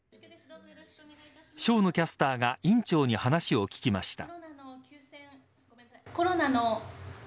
生野キャスターが院長に話を聞きました。